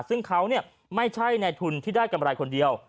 ซึ่งเขาไม่ใช่ในทุนที่ได้กำไรคนเดียว